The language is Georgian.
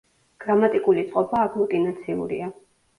გრამატიკული წყობა აგლუტინაციურია.